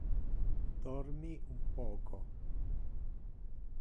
Dormi un poco.